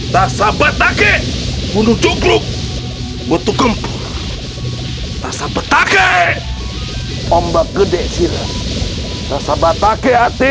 dasar batake muncul buku buku kempur rasa petake ombak gede sirap nasabah take hati